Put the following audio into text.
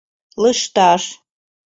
Лышташ...»